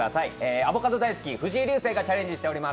アボカド大好き、藤井流星がチャレンジしております。